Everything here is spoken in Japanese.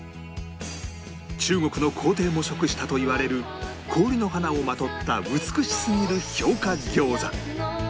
中国の皇帝も食したといわれる氷の花をまとった美しすぎる氷花餃子